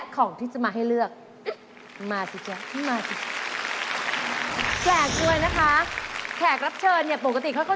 ของที่ไหนราคาถูกที่สุด